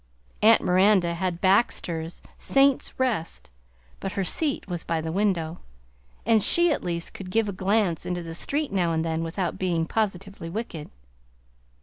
Aunt Miranda had Baxter's "Saints' Rest," but her seat was by the window, and she at least could give a glance into the street now and then without being positively wicked.